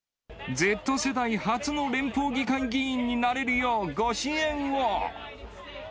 Ｚ世代初の連邦議会議員になれるようご支援を。